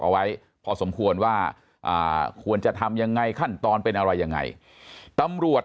เอาไว้พอสมควรว่าควรจะทำยังไงขั้นตอนเป็นอะไรยังไงตำรวจ